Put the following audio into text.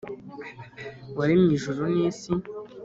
Waremye Ijuru N Isi